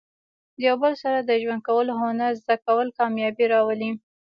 د یو بل سره د ژوند کولو هنر زده کول، کامیابي راولي.